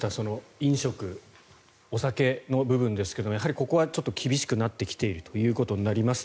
飲食、お酒の部分ですけれどもやはり、ここは厳しくなってきているということになります。